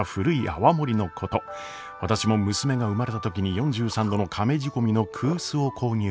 私も娘が生まれた時に４３度のかめ仕込みの古酒を購入。